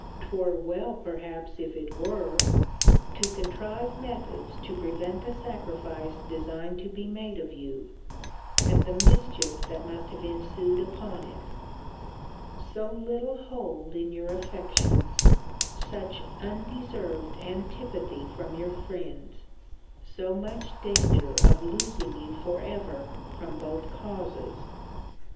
'Twere well perhaps if it were] to contrive methods to prevent the sacrifice designed to be made of you, and the mischief that must have ensued upon it: so little hold in your affections: such undeserved antipathy from your friends: so much danger of losing you for ever from both causes.